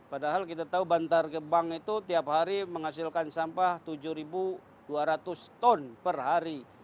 padahal kita tahu bantar gebang itu tiap hari menghasilkan sampah tujuh dua ratus ton per hari